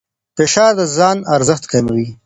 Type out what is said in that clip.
فشار د ځان ارزښت کموي.